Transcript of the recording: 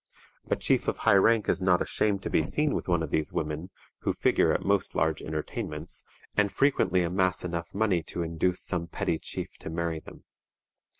A chief of high rank is not ashamed to be seen with one of these women, who figure at most large entertainments, and frequently amass enough money to induce some petty chief to marry them.